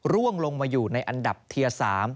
ร่วงลงมาอยู่ในอันดับเทีย๓